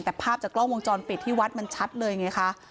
แต่ภาพจากกล้องวงจรปิดที่วัดมันชัดเลยไงคะ